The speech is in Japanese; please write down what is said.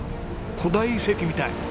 古代遺跡みたい。